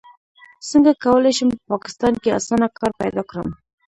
څنګه کولی شم په پاکستان کې اسانه کار پیدا کړم